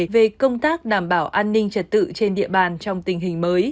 về công tác đảm bảo an ninh trật tự trên địa bàn trong tình hình mới